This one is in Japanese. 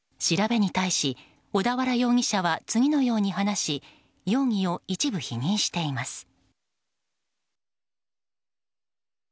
調べに対し、小田原容疑者は次のように話し容疑を一部否認しています。